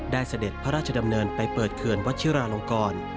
เสด็จพระราชดำเนินไปเปิดเขื่อนวัชิราลงกร